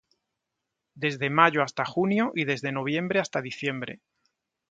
Desde mayo hasta junio y desde noviembre hasta diciembre.